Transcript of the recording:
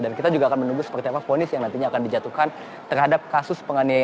dan kita juga akan menunggu seperti apa ponis yang nantinya akan dijatuhkan terhadap kasus penganiayaan